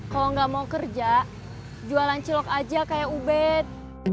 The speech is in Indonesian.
kalau enggak mau kerja jualan cilok aja kayak ubet